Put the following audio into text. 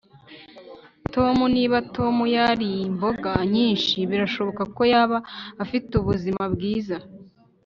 Tom Niba Tom yariye imboga nyinshi birashoboka ko yaba afite ubuzima bwiza